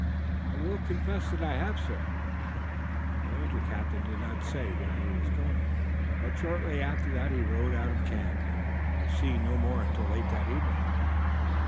"I will confess that I have, sir." The Ranger captain did not say where he was going. But shortly after that he rode out of camp and was seen no more until late that evening.